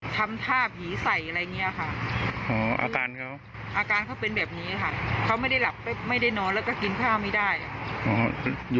โน่ต้องตื่นใคร